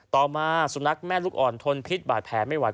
ต่อมาสุนัขแม่ลูกอ่อนทนพิษบาดแผลไม่หวัด